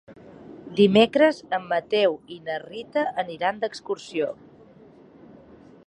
Dimecres en Mateu i na Rita aniran d'excursió.